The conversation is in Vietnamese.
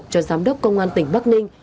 cho giám đốc công an tỉnh bắc ninh